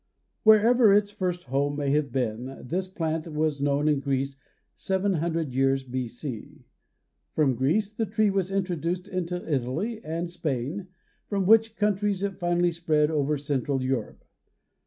Wherever its first home may have been this plant was known in Greece 700 years B. C. From Greece the tree was introduced into Italy and Spain, from which countries it finally spread over central Europe.